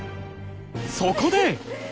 そこで！